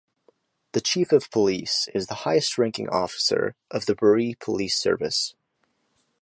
The Chief of Police is the highest-ranking officer of the Barrie Police Service.